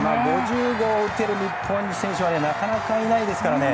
５０号を打てる日本人選手はなかなかいないですからね。